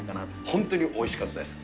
本当においしかったです。